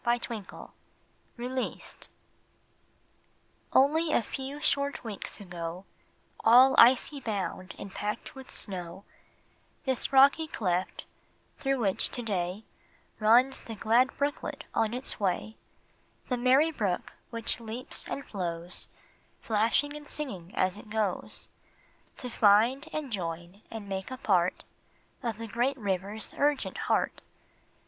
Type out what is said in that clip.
154 RELEASED RELEASED ONLY a few short weeks ago, All icy bound and packed with snow, This rocky cleft, through which to day Runs the glad brooklet on its way ; The merry brook which leaps and flows, Flashing and singing as it goes, To find and join and make a part Of the great river's urgent heart.